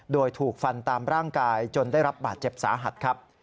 โดยถูกฟันตามร่างกายจนได้รับบาดเจ็บสาหัสครับ